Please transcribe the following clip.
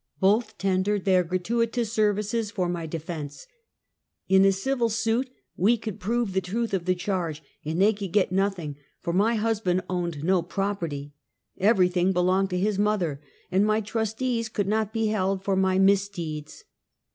Both tendered their gratuitous services for my de fense. In a civil suit we could prove the truth of the charge, and they could get nothing, for my husband owned no property — everything belonged to his moth er — and my trustees could not be held for my mis deeds.